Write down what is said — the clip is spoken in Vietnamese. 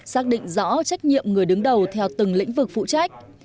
xác định rõ trách nhiệm người đứng đầu theo từng lĩnh vực phụ trách